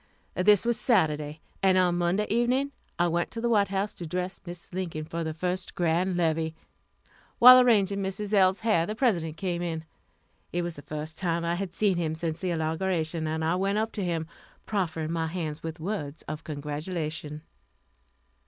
This was Saturday, and on Monday evening I went to the White House to dress Mrs. Lincoln for the first grand levee. While arranging Mrs. L.'s hair, the President came in. It was the first time I had seen him since the inauguration, and I went up to him, proffering my hand with words of congratulation.